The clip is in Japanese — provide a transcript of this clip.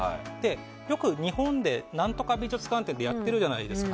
よく日本で、何とか美術館展ってやってるじゃないですか。